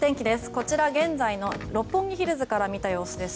こちら現在の六本木ヒルズから見た様子です。